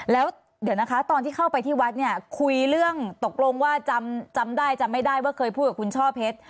แล้วเดี๋ยวนะคะตอนที่เข้าไปที่วัดเนี่ยคุยเรื่องตกลงว่าจำได้จำไม่ได้ว่าเคยพูดกับคุณช่อเพชร